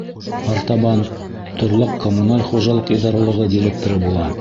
Артабан торлаҡ-коммуналь хужалыҡ идаралығы директоры була.